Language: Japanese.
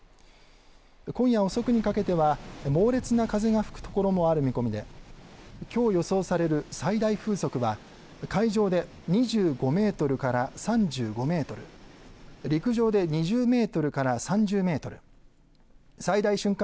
今夜遅くにかけては猛烈な風が吹く所もある見込みできょう予想される最大風速は海上で２５メートルから３５メートル、陸上で２０メートルから３０メートル、最大瞬間